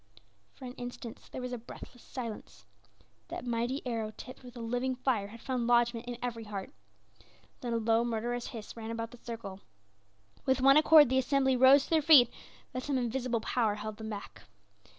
For an instant there was a breathless silence, that mighty arrow tipped with a living fire had found lodgment in every heart. Then a low, murderous hiss ran about the circle. With one accord the assembly rose to their feet, but some invisible power held them back.